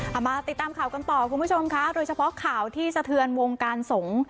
มาติดตามข่าวกันต่อคุณผู้ชมค่ะโดยเฉพาะข่าวที่สะเทือนวงการสงฆ์